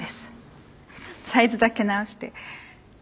サイズだけ直して。